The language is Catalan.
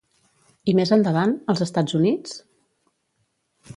I més endavant, als Estats Units?